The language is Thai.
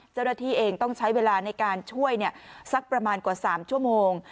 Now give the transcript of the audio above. เจ้าหน้าที่เองต้องใช้เวลาในการช่วยสักประมาณกว่า๓ชั่วโมง